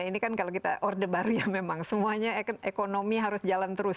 ini kan kalau kita orde baru ya memang semuanya ekonomi harus jalan terus